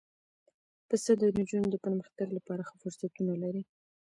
پسه د نجونو د پرمختګ لپاره ښه فرصتونه لري.